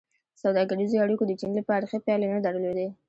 سوداګریزو اړیکو د چین لپاره ښې پایلې نه درلودې.